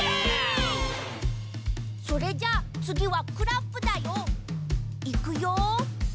それじゃあつぎはクラップだよ。いくよ！